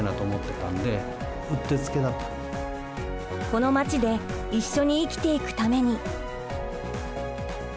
この街で一緒に生きていくために。